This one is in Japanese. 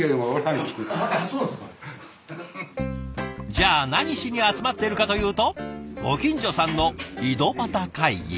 じゃあ何しに集まってるかというとご近所さんの井戸端会議。